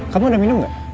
kamu udah minum gak